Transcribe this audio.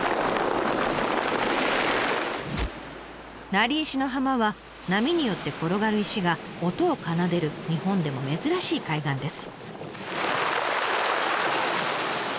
「鳴り石の浜」は波によって転がる石が音を奏でる日本でも珍しい海岸です。